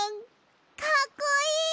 かっこいい！